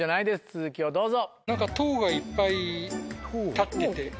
続きをどうぞ。